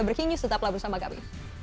breaking news tetap labur sama kami